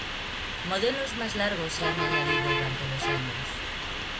Modelos más largos se han añadidos durante los años.